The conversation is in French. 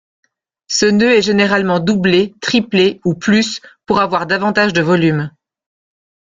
Ce nœud est généralement doublé, triplé ou plus pour avoir davantage de volume.